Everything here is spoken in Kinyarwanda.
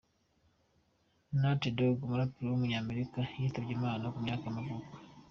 Nate Dogg, umuraperi w’umunyamerika yitabye Imana, ku myaka y’amavuko.